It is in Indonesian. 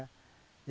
gunung es ya